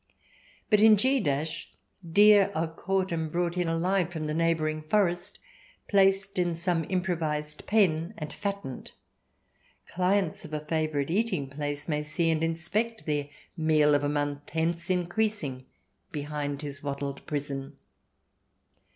But in G deer are caught and brought in alive from the neighbouring forest, placed in some improvised pen and fattened. Clients of a favourite eating place may see and inspect their meal of a month hence increasing behind his wattled prison.